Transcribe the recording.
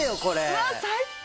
うわっ、最高。